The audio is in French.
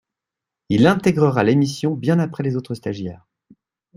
Il intégrera l'émission bien après les autres stagiaires.